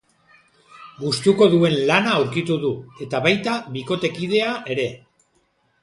Gustuko duen lana aurkitu du, eta baita bikotekidea ere.